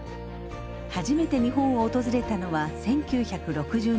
初めて日本を訪れたのは１９６２年。